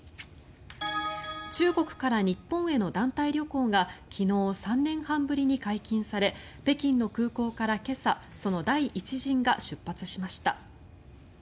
中国から日本への団体旅行が昨日、３年半ぶりに解禁され北京の空港から今朝その第一陣が出発しました。